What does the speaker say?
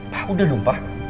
pak udah dong pak